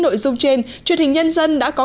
nội dung trên truyền hình nhân dân đã có